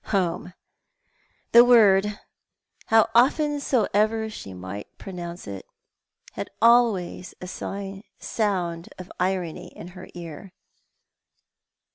Home ! The word, how often soever she might pronotincc it, had always a sound of irony in her ear.